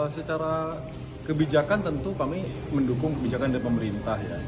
secara kebijakan tentu kami mendukung kebijakan dari pemerintah ya